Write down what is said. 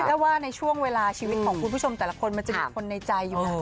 แล้วว่าในช่วงเวลาชีวิตของคุณผู้ชมแต่ละคนมันจะมีคนในใจอยู่นะ